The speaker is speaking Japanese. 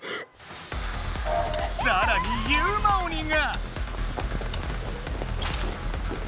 さらにユウマ鬼が。